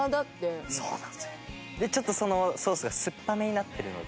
ちょっとそのソースが酸っぱめになってるので。